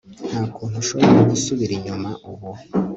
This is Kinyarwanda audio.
nta kuntu ushobora gusubira inyuma ubu